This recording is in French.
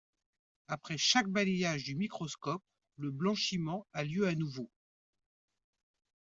Après chaque balayage du microscope, le blanchiment a lieu à nouveau.